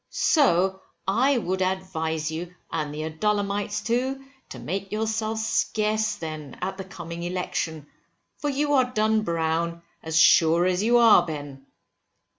So I would advise you, and the Adullamites too, to make yourselves scarce then, at the coming election, for you are done brown as sure as you are born, Ben.